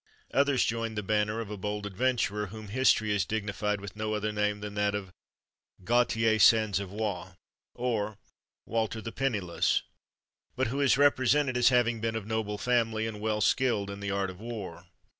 Others joined the banner of a bold adventurer, whom history has dignified with no other name than that of Gautier sans Avoir, or Walter the Pennyless, but who is represented as having been of noble family, and well skilled in the art of war.